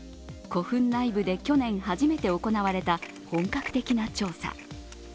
古墳内部で去年初めて行われた本格的な調査。